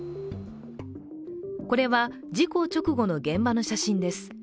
これは事故直後の現場の写真です。